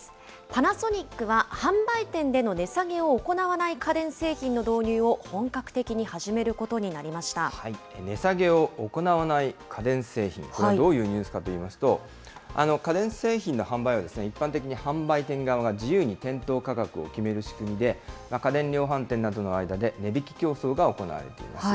パナソニックは販売店での値下げを行わない家電製品の導入を、本値下げを行わない家電製品、これどういうニュースかといいますと、家電製品の販売は、一般的に販売店側が自由に店頭価格を決める仕組みで、家電量販店などの間で値引き競争が行われています。